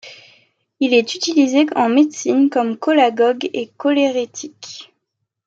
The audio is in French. Il est utilisé en médecine comme cholagogue et cholérétique.